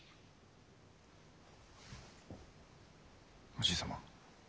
おじい様？